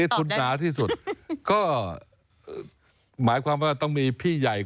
ตอนนี้ใครให้คิดนี่เอง